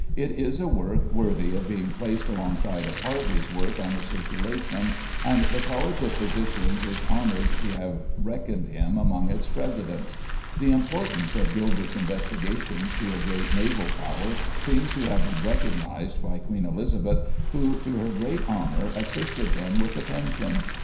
It is a work worthy of being placed alongside of Harvey's work on the Circulation, and the College of Physicians is honoured to have reckoned him among its presidents. The importance of Gilbert's investigations to a great naval Power seems to have been recognised by Queen Elizabeth, who, to her great honour, assisted him with a pension.